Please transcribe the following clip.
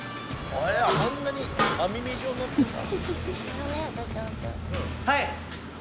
あんなに網目状になってんだ。